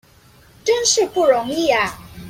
真是不容易啊！